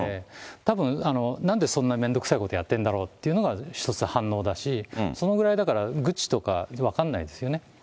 たぶん、なんでそんな面倒くさいことをやってるんだろうっていうのが一つ、反応だし、そのぐらいだから、グッチとか、分からないですよね。